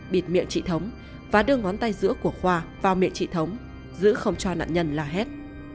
bịt miệng trị thống và đưa ngón tay giữa của khoa vào miệng trị thống giữ không cho nạn nhân là hết